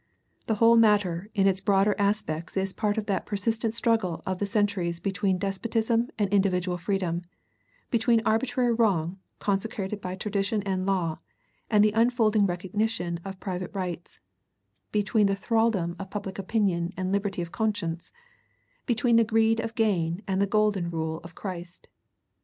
The whole matter in its broader aspects is part of that persistent struggle of the centuries between despotism and individual freedom; between arbitrary wrong, consecrated by tradition and law, and the unfolding recognition of private rights; between the thraldom of public opinion and liberty of conscience; between the greed of gain and the Golden Rule of Christ.